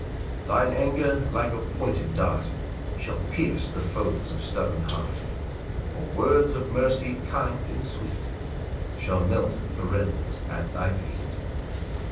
4 Thine anger, like a pointed dart, Shall pierce the foes of stubborn heart; Or words of mercy kind and sweet Shall melt the rebels at thy feet.